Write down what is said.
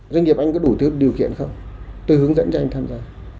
doanh nghiệp anh có đủ điều kiện không tư hướng dẫn cho anh tham gia